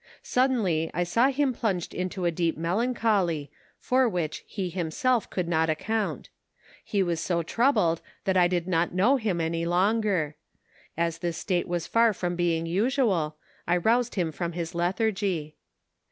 Suddenly I saw him plunged into a deep melancholy, for which he himself could not account ; he was so troubled that I did not know him any longer ; as this state was far from being usual, I roused him from his lethargy.